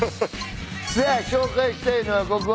紹介したいのはここ。